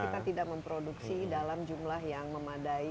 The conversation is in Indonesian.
kita tidak memproduksi dalam jumlah yang memadai